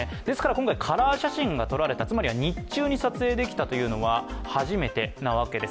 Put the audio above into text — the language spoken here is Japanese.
今回カラー写真が撮られた、つまりは日中に撮影できたというのは初めてというわけなんです。